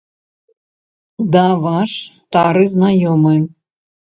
Да ваш стары знаёмы.